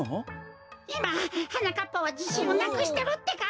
いまはなかっぱはじしんをなくしてるってか！